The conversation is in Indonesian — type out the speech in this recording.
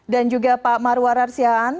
dan juga pak marwar arsyaan